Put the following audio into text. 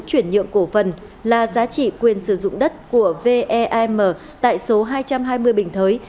chuyển nhượng cổ phần là giá trị quyền sử dụng đất của vem tại số hai trăm hai mươi bình thới